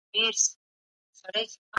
قصاص د عدل قانون دی.